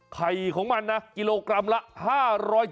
ไข่ของมันกิโลกรัมละ๕๐๐๘๐๐บาท